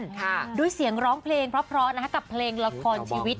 ค่ะด้วยเสียงร้องเพลงเพราะเพราะนะคะกับเพลงละครชีวิต